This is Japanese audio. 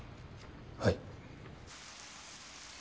はい